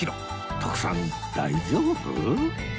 徳さん大丈夫？